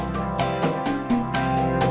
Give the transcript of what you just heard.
ya ampun sudah tau